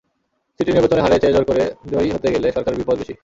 City নির্বাচনে হারের চেয়ে জোর করে জয়ী হতে গেলে সরকারের বিপদ বেশি।